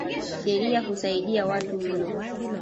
Sheria husaidi watu mno.